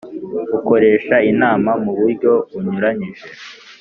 Ukoresha inama mu buryo bunyuranyije